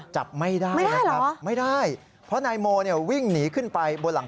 จับไม่ได้นะครับ